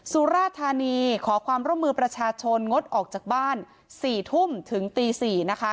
สุราธานีขอความร่วมมือประชาชนงดออกจากบ้าน๔ทุ่มถึงตี๔นะคะ